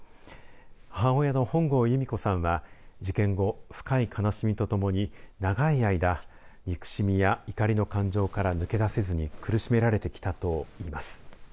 母親の本郷由美子さんは事件後、深い悲しみとともに長い間、憎しみや怒りの感情から抜け出せずに苦しめられてきたといいます。